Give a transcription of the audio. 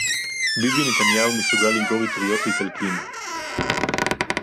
ביבי נתניהו מסוגל למכור אטריות לאיטלקים